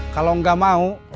kalau gak mau